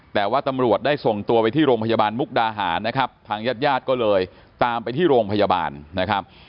แต่ว่าตำรวจได้ส่งตัวไปที่โรงพยาบาลมุกดาหารนะครับทางญาติญาติก็เลยตามไปที่โรงพยาบาลนะครับ